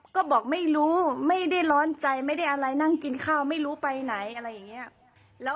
ก็บอกไม่รู้ไม่ได้ร้อนใจไม่ได้อะไรนั่งกินข้าวไม่รู้ไปไหนอะไรอย่างนี้